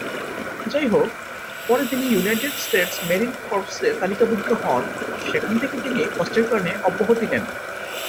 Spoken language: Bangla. যাইহোক, পরে তিনি ইউনাইটেড স্টেটস মেরিন কর্পসে তালিকাভুক্ত হন, যেখান থেকে তিনি কষ্টের কারনে অব্যহতি নেন।